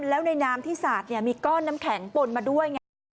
แล้วในน้ำที่สาดมีก้อนน้ำแข็งปนมาด้วยไง